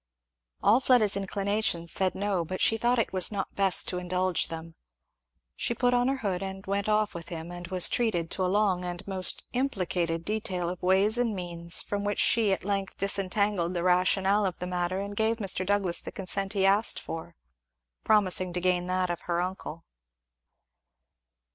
All Fleda's inclinations said no, but she thought it was not best to indulge them. She put on her hood and went off with him; and was treated to a long and most implicated detail of ways and means, from which she at length disentangled the rationale of the matter and gave Mr. Douglass the consent he asked for, promising to gain that of her uncle.